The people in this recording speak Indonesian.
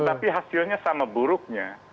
tapi hasilnya sama buruknya